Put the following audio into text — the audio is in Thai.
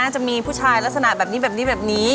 จะมีผู้ชายลักษณะแบบนี้แบบนี้แบบนี้